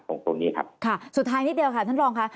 ตรงนี้ครับค่ะสุดท้ายนิดเดียวค่ะท่านรองค่ะ